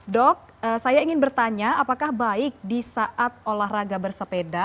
dok saya ingin bertanya apakah baik di saat olahraga bersepeda